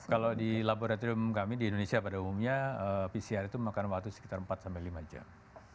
kalau di laboratorium kami di indonesia pada umumnya pcr itu memakan waktu sekitar empat sampai lima jam